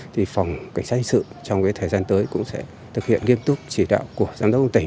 thì phòng cảnh sát hình sự trong thời gian tới cũng sẽ thực hiện nghiêm túc chỉ đạo của giám đốc công ty